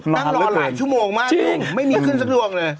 นั่งรอหลายชั่วโมงมากไม่มีขึ้นสักดวงเลย